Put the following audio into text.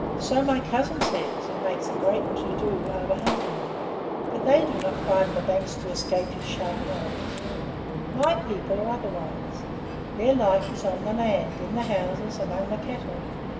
"So my cousin says, and makes a great to do over hunting them, but they do not climb the banks to escape his sharp nose. MY people are otherwise. Their life is on the land, in the houses, among the cattle.